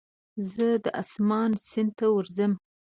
زه د اسمان سیند ته ورځمه